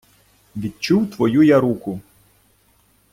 Відчув твою я руку